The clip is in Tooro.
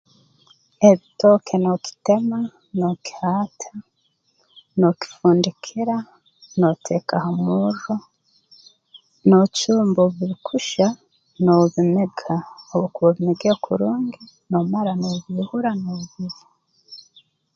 Ebitooke n'okitema n'okihaata n'okifundikira nooteeka ha murro noocumba obu birukuhya nobimiga obu okuba obimigire kurungi noomara noobiihura noobirya